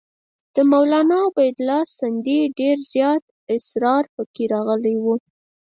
د مولنا عبیدالله سندي ډېر زیات اسرار پکې راغلي وو.